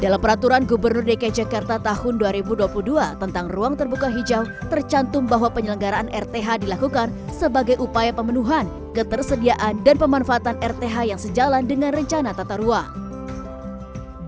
dalam peraturan gubernur dki jakarta tahun dua ribu dua puluh dua tentang ruang terbuka hijau tercantum bahwa penyelenggaraan rth dilakukan sebagai upaya pemenuhan ketersediaan dan pemanfaatan rth yang sejalan dengan rencana tata ruang